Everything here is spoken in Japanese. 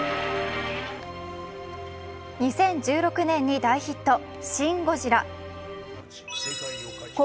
２０１６年に大ヒット「シン・ゴジラ」。